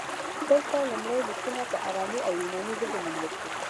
دلته لومړني لیکونه په ارامي او یوناني ژبو موندل شوي